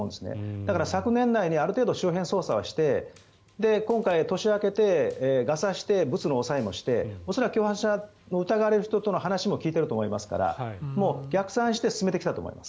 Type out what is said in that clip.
だから昨年内にある程度、周辺捜査はして今回、年明けてガサしてブツの押さえもして恐らく共犯者と疑われる人の話も聞いていると思いますから逆算して進めてきたと思います。